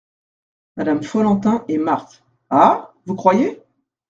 Madame Follentin et Marthe. — Ah ! vous croyez ?